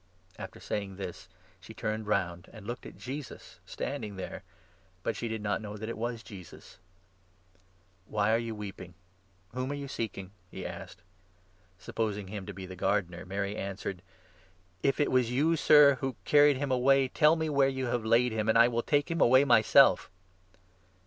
After saying this, she turned round, and looked at Jesus stand 14 ing there, but she did not know that it was Jesus. "Why are you weeping? Whom are you seeking?" he 15 asked. Supposing him to be the gardener, Mary answered :" If it was you, Sir, who carried him away, tell me where you have laid him, and I will take him away myself."